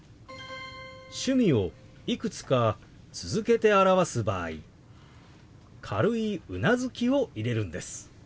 趣味をいくつか続けて表す場合軽いうなずきを入れるんです。